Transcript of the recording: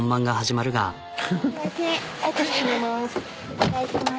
お願いします。